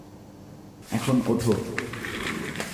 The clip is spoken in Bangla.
এখন, ওঠো।